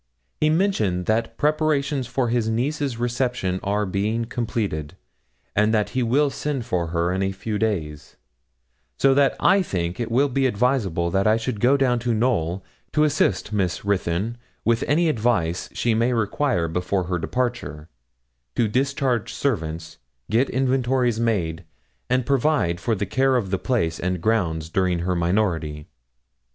He mentioned that preparations for his niece's reception are being completed, and that he will send for her in a few days; so that I think it will be advisable that I should go down to Knowl, to assist Miss Ruthyn with any advice she may require before her departure, to discharge servants, get inventories made, and provide for the care of the place and grounds during her minority.